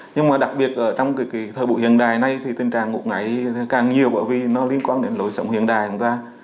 nhưng mà đặc biệt trong thời bụi hiện đại này thì tình trạng ngủ ngáy càng nhiều bởi vì nó liên quan đến lối sống hiện đại của chúng ta